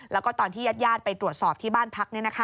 แล้วก็ตอนที่ญาติไปตรวจสอบที่บ้านพัก